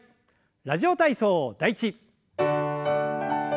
「ラジオ体操第１」。